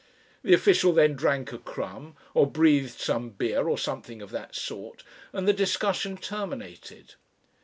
The official then drank a crumb, or breathed some beer, or something of that sort, and the discussion terminated.